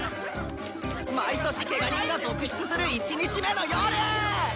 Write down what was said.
毎年ケガ人が続出する１日目の夜！